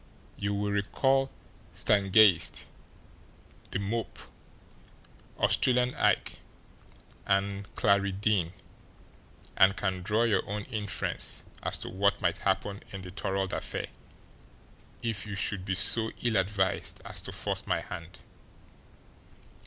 You will recall Stangeist, The Mope, Australian Ike, and Clarie Deane, and can draw your own inference as to what might happen in the Thorold affair if you should be so ill advised as to force my hand.